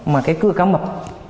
mà cái cưa căm mập